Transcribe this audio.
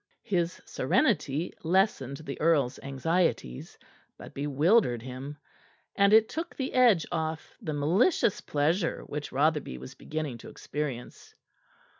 His serenity lessened the earl's anxieties, but bewildered him; and it took the edge off the malicious pleasure which Rotherby was beginning to experience.